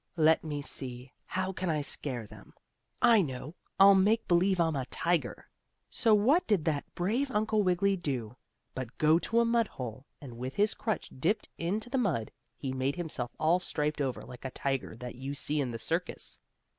"Let me see, how can I scare them? I know, I'll make believe I'm a tiger!" So what did that brave Uncle Wiggily do? but go to a mud hole, and with his crutch dipped into the mud, he made himself all striped over like a tiger that you see in a circus.